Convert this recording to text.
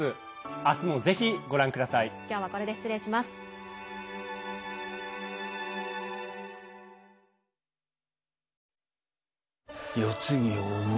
明日も、ぜひご覧ください。